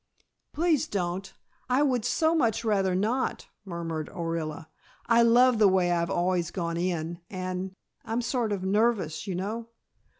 "Please don't, I would so much rather not," murmured Orilla. "I love the way I've always gone in and I'm sort of nervous, you know."